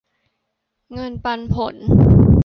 เงินปันผล